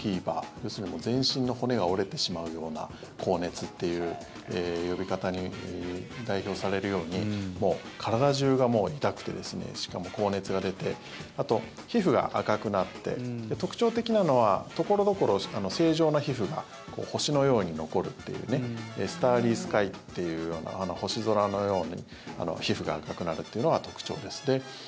要するに、全身の骨が折れてしまうような高熱っていう呼び方に代表されるようにもう体中が痛くてしかも高熱が出てあと皮膚が赤くなって特徴的なのは所々、正常な皮膚が星のように残るっていうスターリースカイっていう星空のように皮膚が赤くなるっていうのが特徴です。